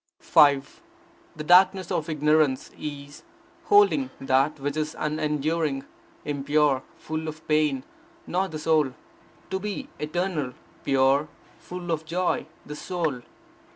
5 The darkness of ignorance is: holding that which is unenduring, impure, full of pain, not the Soul, to be eternal, pure, full of joy, the Soul.